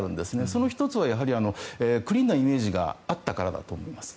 その１つはやはりクリーンなイメージがあったからだと思います。